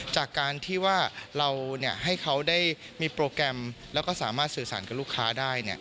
จากการที่ว่าเราให้เขาได้มีโปรแกรมแล้วก็สามารถสื่อสารกับลูกค้าได้